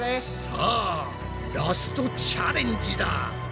さあラストチャレンジだ。